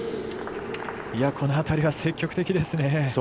この辺りは積極的ですね。